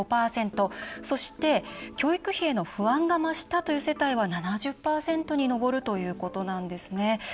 そして、教育費への不安が増したという世帯は７０％に上るということなんです。